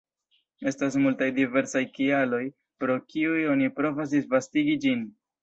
Estas multaj diversaj kialoj, pro kiuj oni provas disvastigi ĝin.